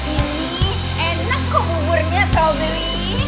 ini enak kok buburnya sobri